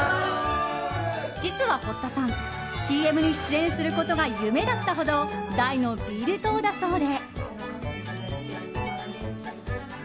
実は堀田さん、ＣＭに出演することが夢だったほど大のビール党だそうで。